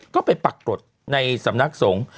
ก็ไปปรากฏในสำนักสงฆ์